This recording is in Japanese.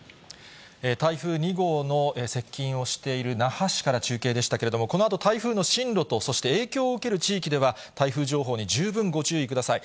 台風２号の接近をしている那覇市から中継でしたけれども、このあと台風の進路と、そして影響を受ける地域では、台風情報に十分ご注意ください。